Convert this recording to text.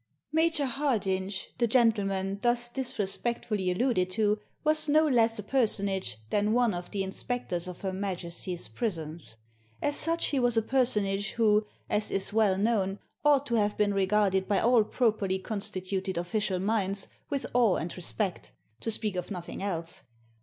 Major Hardinge, the gentleman thus disrespect fully alluded to, was no less a personage than one of the inspectors of Her Majesty's prisons. As such he was a personage who, as is well known, ought to have been regarded by all properly constituted official minds with awe and respect — to speak of nothing else.